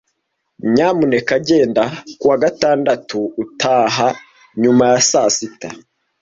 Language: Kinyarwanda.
Nyamuneka genda kuwa gatandatu utaha nyuma ya saa sita.